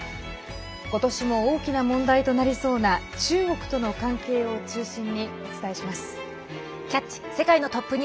今年も大きな問題となりそうな中国との関係を中心にお伝えします。